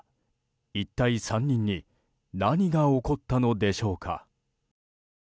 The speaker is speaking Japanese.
一体３人に何が起こったのでしょうか。